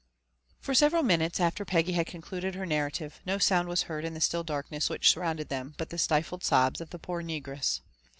For several minutes after Peggy had concluded her narrative, no sound was heard in the still darkness which surrounded them but the stifled sobs of the poor negress.